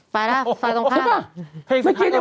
ไปแล้วไปตรงภาพ